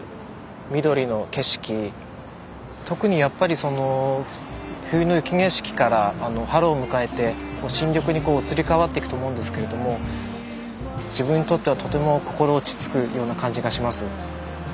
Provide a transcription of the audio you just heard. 特にやっぱりその冬の雪景色から春を迎えて新緑に移り変わっていくと思うんですけれども自分にとってはとても心落ち着くような感じがします。